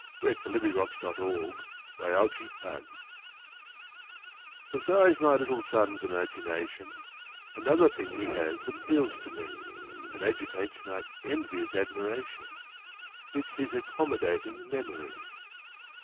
HIS MEMORY Besides my little son's imagination, Another thing he has appeals to me And agitates my envious admiration It's his accommodating memory.